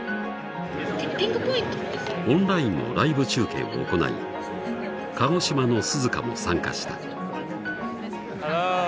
オンラインのライブ中継を行い鹿児島の涼夏も参加した。